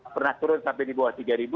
pernah turun sampai di bawah tiga ribu